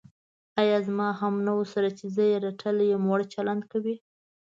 ایا زما همنوعو سره چې زه یې رټلی یم، وړ چلند کوې.